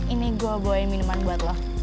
ini gue bawain minuman buat lo